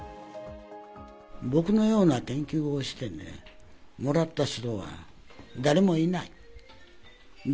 僕のような研究をして、もらった人は誰もいない。